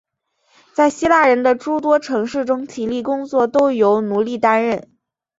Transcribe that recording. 在希腊人的诸多城市中体力工作都由奴隶担任。